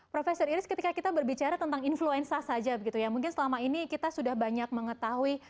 profesor iris ketika kita berbicara tentang influenza saja mungkin selama ini kita sudah banyak mengetahui